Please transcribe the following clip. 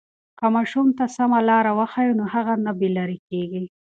که ماشوم ته سمه لاره وښیو نو هغه نه بې لارې کېږي.